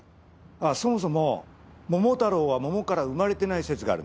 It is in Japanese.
そもそも桃太郎は桃から生まれてない説がある。